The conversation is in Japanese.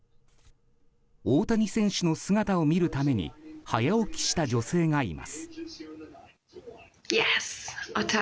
大谷選手の姿を見るために早起きした女性がいます。